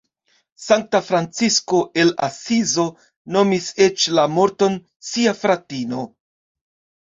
Sankta Francisko el Asizo nomis eĉ la morton "sia fratino".